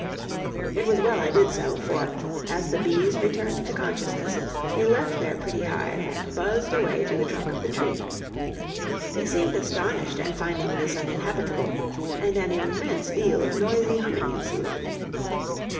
It was well I did so, for, as the bees returned to consciousness, they left their pretty hive and buzzed away to the trunk of the tree. They seemed astonished at finding this uninhabitable, and an immense deal of noisy humming ensued.